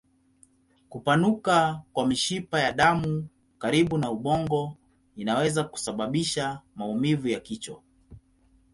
Kupanuka kwa mishipa ya damu karibu na ubongo inaweza kusababisha maumivu ya kichwa.